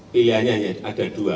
pilihannya hanya ada dua